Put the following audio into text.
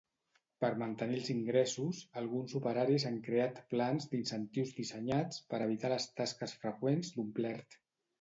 Per mantenir els ingressos, alguns operaris han creat plans d'incentius dissenyats per evitar les tasques freqüents d"omplert.